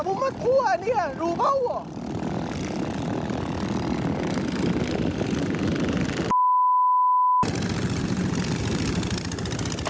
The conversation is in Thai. กูเจอแล้วกูไม่กลัวเนี่ยรู้เปล่าอ่ะ